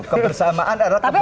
kebersamaan adalah kebersamaan